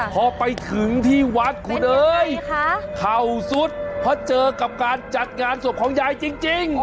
พอไปถึงที่วัดคุณเอ๋ยเข่าสุดเพราะเจอกับการจัดงานศพของยายจริง